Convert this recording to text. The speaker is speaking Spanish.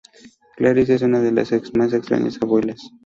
Clarisse es una de las más extrañas abuelas.